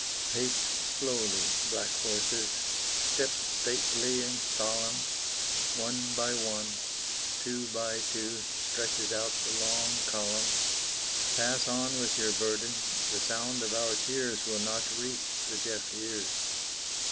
Pace slowly, black horses, step stately and solemn One by one two by two stretches out the long column; Pass on with your burden, the sound of our tears Will not reach the deaf ears.